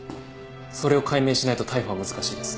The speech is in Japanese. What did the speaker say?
それを解明しないと逮捕は難しいです。